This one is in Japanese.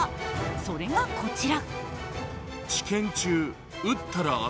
それがこちら。